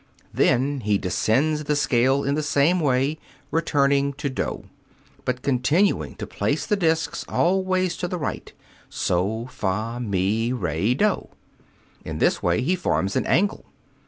Then he descends the scale in the same way, returning to doh, but continuing to place the discs always to the right: soh, fah, mi, re, doh. In this way he forms an angle.